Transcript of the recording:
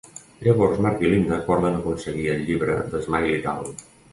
Llavors, Mark i Linda acorden aconseguir el llibre de Smiley Town.